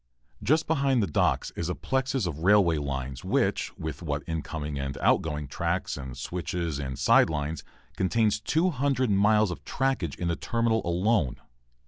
Just behind the docks is a plexus of railway lines which, what with incoming and outgoing tracks and switches and side lines, contains 200 miles of trackage in the terminal alone.